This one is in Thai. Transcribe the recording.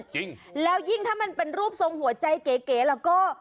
จริงแล้วยิ่งถ้ามันเป็นรูปทรงหัวใจเก๋แล้วก็